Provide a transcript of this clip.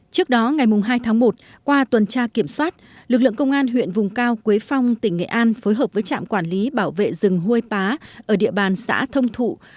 trước đó ngày hai tháng một qua tuần tra kiểm soát lực lượng công an huyện vùng cao quế phong tỉnh nghệ an phối hợp với trạm quản lý bảo vệ rừng hôi bá ở địa bàn xã thông thụ